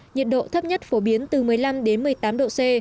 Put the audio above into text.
nhiệt độ thấp nhất phổ biến từ một mươi năm đến một mươi tám độ c